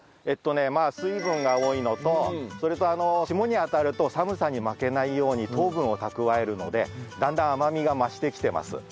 えっとねまあ水分が多いのとそれと霜に当たると寒さに負けないように糖分を蓄えるのでだんだん甘みが増してきてます。